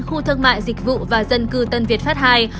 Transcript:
khu thương mại dịch vụ và dân cư tân việt pháp ii